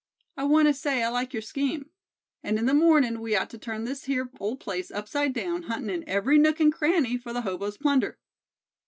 I want to say, I like your scheme; and in the mornin' we ought to turn this here old place upside down, huntin' in every nook and cranny for the hobo's plunder."